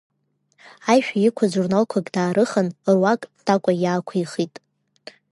Аишәа иқәыз журналқәак даарыхан, руак Такәа иаақәихит.